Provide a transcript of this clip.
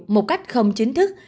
một cách không chính thức